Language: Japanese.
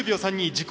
自己